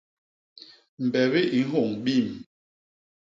Mbebi i nhôñ biim.